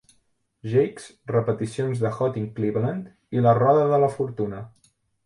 Jakes, repeticions de "Hot in Cleveland", i "la Roda de la Fortuna".